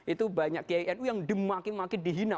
itu banyak yang makin makin dihina